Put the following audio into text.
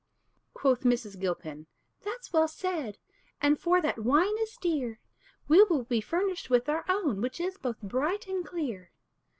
Quoth Mrs. Gilpin, "That's well said; And for that wine is dear, We will be furnished with our own, Which is both bright and clear."